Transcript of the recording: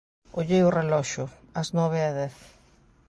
Ollei o reloxo: as nove e dez.